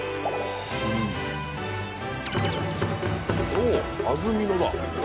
お安曇野だ。